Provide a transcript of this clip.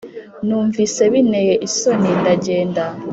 Numvise bineye isoni ndagenda